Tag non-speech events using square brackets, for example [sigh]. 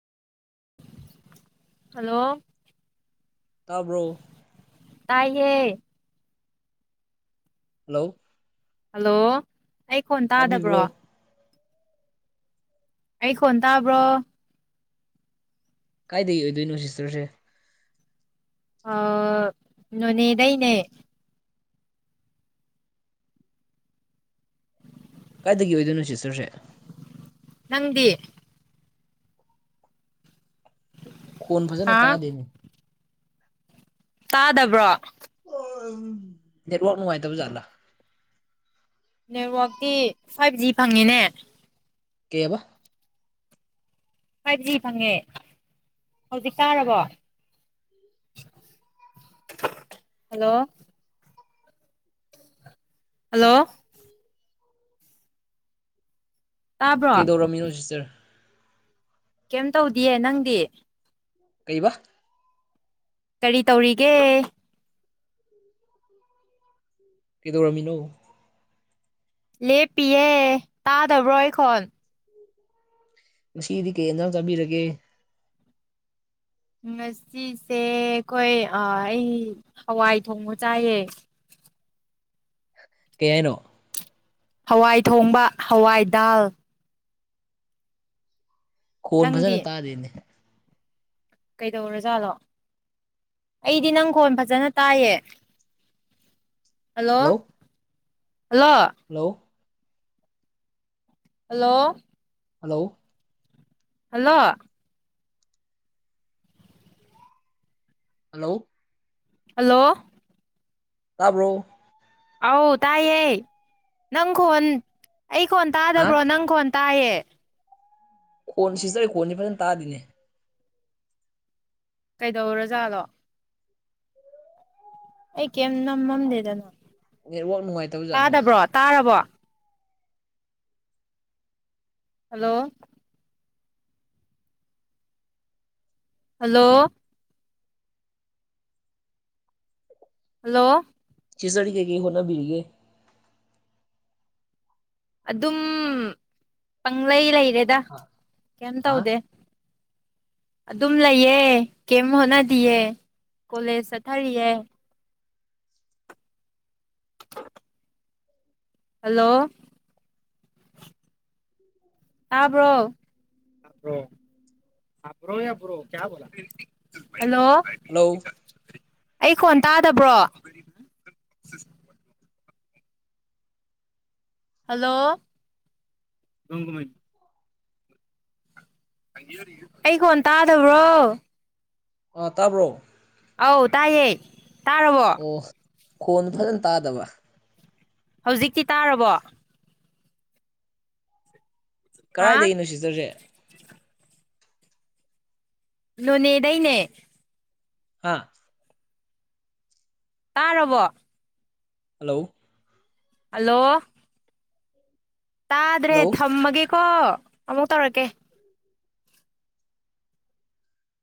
ꯑꯣ ꯍꯜꯂꯣ ꯇꯥꯕ꯭ꯔꯣ ꯇꯥꯏꯌꯦ ꯍꯜꯂꯣ ꯍꯜꯂꯣ ꯑꯩ ꯈꯣꯟ ꯇꯥꯗꯕ꯭ꯔꯣ ꯇꯥꯕꯤꯕ꯭ꯔꯣ ꯑꯩ ꯈꯣꯟ ꯇꯥꯕ꯭ꯔꯣ ꯀꯥꯏꯗꯒꯤ ꯑꯣꯏꯗꯣꯏꯅꯣ ꯁꯤꯁꯇꯔꯁꯦ ꯅꯣꯅꯦꯗꯩꯅꯦ ꯀꯥꯏꯗꯒꯤ ꯑꯣꯏꯗꯣꯏꯅꯣ ꯁꯤꯇꯔꯁꯦ ꯅꯪꯗꯤ ꯈꯣꯟ ꯐꯖꯅ ꯍꯥ ꯇꯥꯗꯦꯅꯦ ꯇꯥꯗꯕ꯭ꯔꯣ ꯑꯣ ꯅꯦꯠꯋꯥꯛ ꯅꯨꯡꯉꯥꯏꯇꯕ ꯖꯥꯠꯂꯥ ꯅꯦꯠꯋꯔꯇꯤ ꯐꯥꯏꯚ ꯖꯤ ꯐꯪꯉꯤꯅꯦ ꯀꯕ [inaudible] ꯐꯥꯏꯚ ꯖꯤ ꯐꯪꯉꯦ ꯍꯧꯖꯤꯛ ꯇꯔꯕꯣ ꯍꯜꯂꯣ ꯍꯜꯂꯣ ꯇꯥꯕ꯭ꯔꯣ ꯀꯩꯗꯧꯔꯝꯃꯤꯅꯣ ꯁꯤꯁꯇꯔ ꯀꯩꯝ ꯇꯧꯗꯤꯌꯦ ꯅꯪꯗꯤ ꯀꯩꯕ ꯀꯔꯤ ꯇꯧꯔꯤꯒꯦ ꯀꯩꯗꯧꯔꯝꯃꯤꯅꯣ ꯂꯦꯞꯄꯤꯌꯦ ꯇꯥꯗꯕ꯭ꯔꯣ ꯑꯩ ꯈꯣꯟ ꯉꯁꯤꯗꯤ ꯀꯩ ꯍꯤꯟꯖꯡ ꯆꯥꯕꯤꯔꯒꯦ ꯉꯁꯤꯁꯦ ꯑꯩꯈꯣꯏ ꯑꯩ ꯍꯋꯥꯏ ꯊꯣꯡꯕ ꯆꯥꯏꯌꯦ ꯀꯩ ꯍꯥꯏꯅꯣ ꯍꯋꯥꯏ ꯊꯣꯡꯕ ꯍꯋꯥꯏ ꯗꯥꯜ ꯈꯣꯟ ꯅꯪꯗꯤ ꯐꯖꯅꯥ ꯇꯥꯗꯦꯅꯦ ꯀꯩꯗꯧꯔꯥꯖꯥꯠꯂꯣ ꯑꯩꯗꯤ ꯅꯪꯒꯣꯟ ꯐꯖꯅ ꯇꯥꯏꯌꯦ hello hello hello hello hello hello hello hello ꯇꯥꯕ꯭ꯔꯣ ꯑꯧ ꯇꯥꯏꯌꯦ ꯅꯪ ꯈꯣꯟ ꯑꯩ ꯀꯣꯟ ꯍꯥ ꯇꯥꯗꯕ꯭ꯔꯣ ꯅꯪ ꯈꯣꯟ ꯇꯥꯏꯌꯦ ꯀꯣꯟ ꯁꯤ ꯆꯣꯏ ꯈꯣꯟꯁꯤ ꯐꯖꯅ ꯇꯥꯗꯤꯅꯦ ꯀꯩꯗꯧꯔꯣꯖꯥꯂꯣ ꯑꯩ ꯀꯦꯝ ꯅꯝꯃꯝꯗꯦꯗꯅꯣ ꯅꯦꯠꯋꯥꯛ ꯅꯨꯡꯉꯥꯏꯇꯕꯖꯥꯠꯂ ꯇꯥꯔꯕꯣ ꯍꯜꯂꯣ ꯍꯜꯂꯣ ꯍꯜꯂꯣ ꯆꯤꯁꯔꯤꯒ ꯀ ꯍꯣꯅ ꯕꯤꯔꯤꯌꯦ ꯑꯗꯨꯝ ꯄꯪꯂꯩ ꯂꯩꯔꯦꯗ ꯀꯩꯝ ꯍꯥ ꯇꯧꯗꯦ ꯑꯗꯨꯝ ꯂꯩꯌꯦ ꯀꯩꯝ ꯍꯣꯠꯅꯗꯤꯌꯦ ꯀꯣꯂꯦꯖ ꯆꯠꯊꯔꯤꯑ [inaudible] ꯍꯜꯂꯣ ꯇꯥꯕ꯭ꯔꯣ ꯍꯥꯕ꯭ꯔꯣꯕ꯭ꯔꯣ ꯀꯌꯥꯣꯂ ꯍꯜꯂꯣ ꯍꯜꯂꯣ ꯑꯩ ꯀꯣꯟ ꯇꯥꯗꯕ꯭ꯔꯣ ꯍꯜꯂꯣ ꯑꯩ ꯀꯣꯟ ꯇꯥꯗꯕ꯭ꯔꯣ ꯑꯥ ꯇꯥꯕ꯭ꯔꯣ ꯑꯧ ꯇꯥꯏꯌꯦ ꯇꯥꯔꯕꯣ ꯑꯣ ꯀꯣꯟ ꯐꯖꯅ ꯇꯥꯗꯕ ꯍꯧꯖꯤꯛꯇꯤ ꯇꯥꯔꯕꯣ ꯍꯥ ꯀꯗꯥꯥꯏꯗꯒꯤꯅꯣ ꯁꯤꯁꯇꯔꯁꯦ ꯅꯣꯅꯦꯗꯩꯅꯦ ꯍꯥꯥ ꯇꯥꯔꯕꯣ ꯍꯜꯂꯣ ꯍꯜꯂꯣ ꯇꯥꯗ꯭ꯔꯦ ꯍꯜꯂꯣ ꯊꯝꯃꯒꯦꯀꯣ ꯑꯃꯨꯛ ꯇꯧꯔꯛꯀꯦ